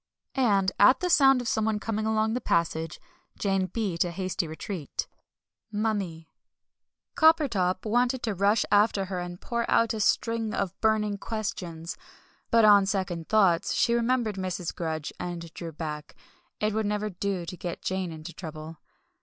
And at the sound of someone coming along the passage, Jane beat a hasty retreat. Coppertop wanted to rush after her and pour out a string of burning questions but on second thoughts she remembered Mrs. Grudge, and drew back; it would never do to get Jane into trouble.